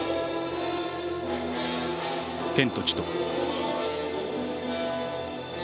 天と地と。